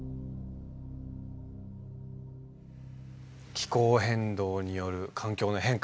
気候変動による環境の変化。